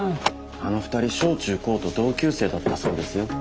あの２人小中高と同級生だったそうですよ。